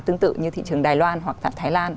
tương tự như thị trường đài loan hoặc thái lan